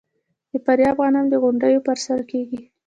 د فاریاب غنم د غونډیو په سر کیږي.